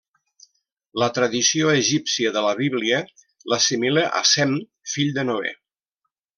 La tradició egípcia de la Bíblia l'assimila a Sem, fill de Noè.